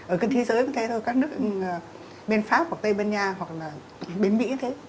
ở cái thế giới cũng thế thôi các nước bên pháp hoặc tây ban nha hoặc là bên mỹ thế